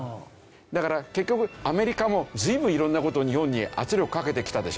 だから結局アメリカも随分色んな事を日本に圧力かけてきたでしょ。